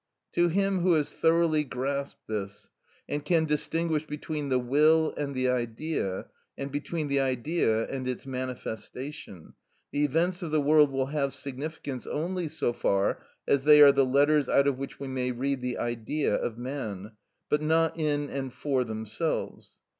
To him who has thoroughly grasped this, and can distinguish between the will and the Idea, and between the Idea and its manifestation, the events of the world will have significance only so far as they are the letters out of which we may read the Idea of man, but not in and for themselves.